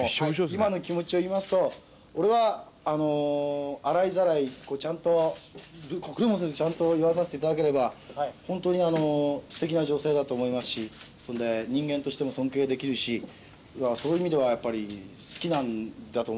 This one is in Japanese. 今の気持ちを言いますと俺は洗いざらいちゃんと隠れもせずちゃんと言わさせて頂ければホントに素敵な女性だと思いますしそれで人間としても尊敬できるしそういう意味ではやっぱり好きなんだと思いますね。